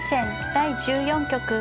第１４局。